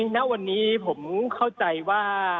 ณวันนี้ผมเข้าใจว่า